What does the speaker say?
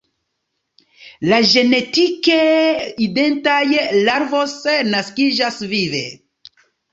La genetike identaj larvoj naskiĝas vive.